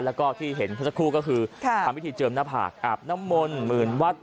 แล้วก็ที่เห็นเมื่อสักครู่ก็คือทำพิธีเจิมหน้าผากอาบน้ำมนต์หมื่นวัด